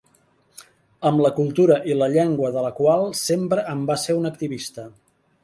Amb la cultura i la llengua de la qual sempre en va ser un activista.